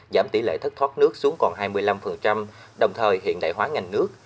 giảm tỷ lệ thất thoát nước xuống còn hai mươi năm đồng thời hiện đại hóa ngành nước